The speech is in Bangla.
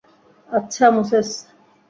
আচ্ছা, মোসেস।